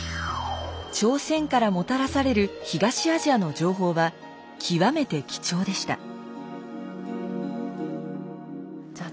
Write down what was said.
朝鮮からもたらされる東アジアの情報は極めて貴重でした。